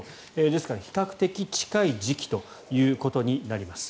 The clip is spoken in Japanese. ですから、比較的近い時期ということになります。